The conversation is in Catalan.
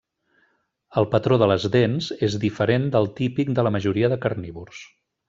El patró de les dents és diferent del típic de la majoria de carnívors.